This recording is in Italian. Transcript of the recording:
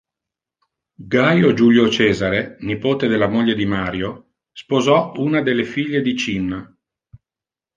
Gaio Giulio Cesare, nipote della moglie di Mario, sposò una delle figlie di Cinna.